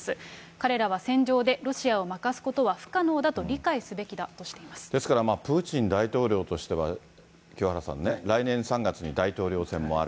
彼らは戦場でロシアを負かすことは不可能だと理解すべきだとしてですから、プーチン大統領としては、清原さんね、来年３月に大統領選もある。